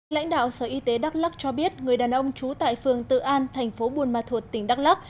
lãnh đạo sở y tế đắk lắc cho biết người đàn ông trú tại phường tự an thành phố buôn ma thuột tỉnh đắk lắc